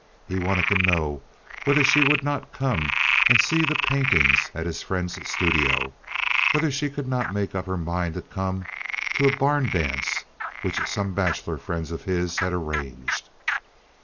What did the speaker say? He wanted to know whether she would not come and see the paintings at his friend's studio—whether she could not make up her mind to come to a barn dance which some bachelor friends of his had arranged.